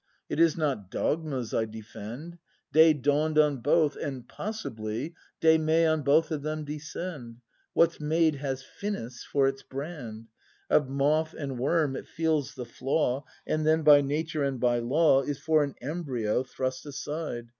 It is not dogmas I defend; Day dawn'd on both, and, possibly. Day may on both of them descend. What's made has "finis" for its brand; Of moth and worm it feels the flaw. And then, by nature and by law, Is for an embryo thrust aside.